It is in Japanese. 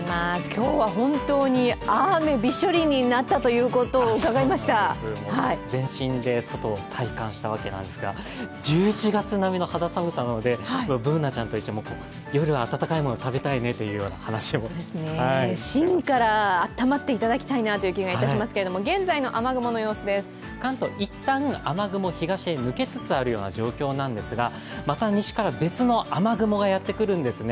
今日は本当に雨びっしょりになったということを伺いました全身で外を体感したわけなんですが１１月並みの肌寒さなのでＢｏｏｎａちゃんと一緒に夜は温かいものを食べたいねと話していました芯からあったまっていただきたいなと思いますけれども、関東、一旦、雨雲が東に抜けつつある状況なんですがまた西から別の雨雲がやってくるんですね。